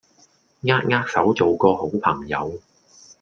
扼扼手做個好朋友